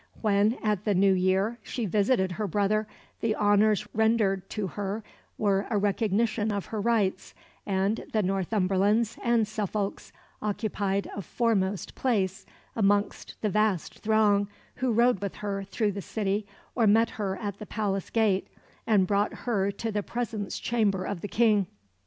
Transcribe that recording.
When, at the New Year, she visited her brother, the honours rendered to her were a recognition of her rights, and the Northumberlands and Suffolks occupied a foremost place amongst the "vast throng" who rode with her through the city or met her at the palace gate and brought her to the presence chamber of the King.